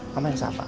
kamu yang sabar